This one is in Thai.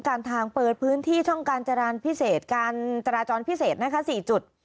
การทางเปิดพื้นที่ช่องการจราจรพิเศษการจราจรพิเศษนะคะ๔จุด